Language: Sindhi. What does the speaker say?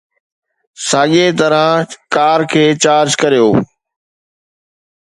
ساڳئي طرح ڪار کي چارج ڪريو